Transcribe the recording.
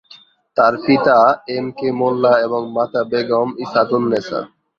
তার পিতা M K Molla এবং মাতা বেগম ইসাতুন্নেছা।